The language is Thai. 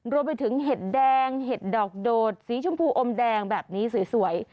รวมไปถึงเห็ดแดงเห็ดดอกโดดสีชมพูอมแดงแบบนี้สวยสวย